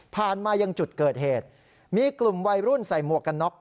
มายังจุดเกิดเหตุมีกลุ่มวัยรุ่นใส่หมวกกันน็อก